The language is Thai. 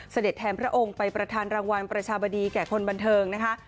เสด็จแทนพระองค์ไปประธานรางวัลประชาบดีแก่คนบันเทิงนะคะ